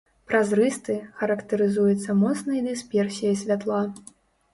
Празрысты, характарызуецца моцнай дысперсіяй святла.